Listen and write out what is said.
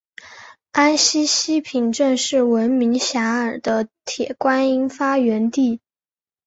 安溪西坪镇是名闻遐迩的铁观音发源地。